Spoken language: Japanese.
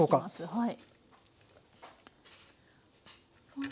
はい。